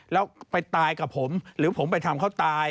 แล้วไปตายกับผมหรือผมไปทำเขาตาย